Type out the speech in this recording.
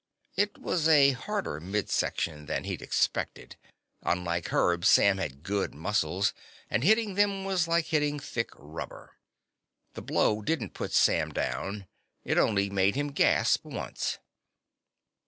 It was a harder midsection than he'd expected; unlike Herb, Sam had good muscles, and hitting them was like hitting thick rubber. The blow didn't put Sam down. It only made him gasp once.